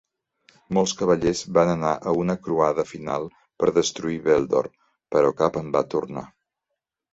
Molts cavallers van anar a una croada final per destruir Beldor, però cap en va tornar.